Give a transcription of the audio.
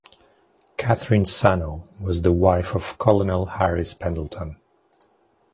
Katherine Sanno was the wife of Colonel Harris Pendleton.